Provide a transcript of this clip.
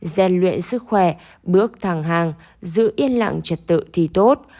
gian luyện sức khỏe bước thẳng hàng giữ yên lặng trật tự thi tốt